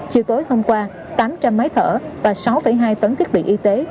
chiều tối hôm qua tám trăm linh máy thở và sáu hai tấn thiết bị y tế